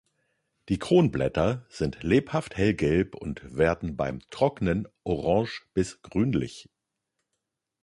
Die Kronblätter sind lebhaft hellgelb und werden beim Trocknen orange bis grünlich.